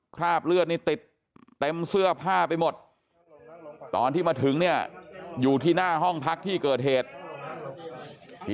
คราบเลือดนี่ติดเต็มเสื้อผ้าไปหมดตอนที่มาถึงเนี่ยอยู่ที่หน้าห้องพักที่เกิดเหตุ